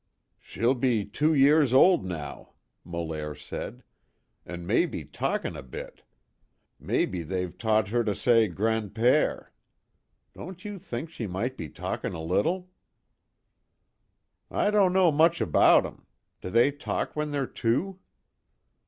"She'd be two years old, now," Molaire said, "An' maybe talkin' a bit. Maybe they've taught her to say grand père. Don't you think she might be talkin' a little?" "I don't know much about 'em. Do they talk when they're two?"